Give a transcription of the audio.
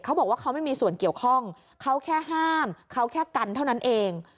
เขาบอกว่าเขาไม่มีส่วนเกี่ยวข้องเขาแค่ห้ามเขาแค่กันเท่านั้นเอง